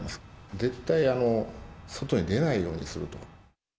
絶対外に出ないようにすると。